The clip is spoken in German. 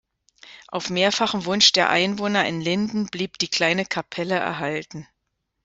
Auf mehrfachen Wunsch der Einwohner in Linden blieb die kleine Kapelle erhalten.